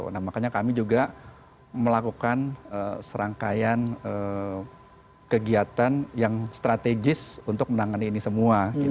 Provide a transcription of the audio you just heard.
nah makanya kami juga melakukan serangkaian kegiatan yang strategis untuk menangani ini semua